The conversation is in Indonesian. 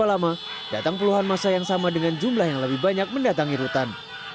berapa lama datang puluhan masa yang sama dengan jumlah yang lebih banyak mendatangi rutan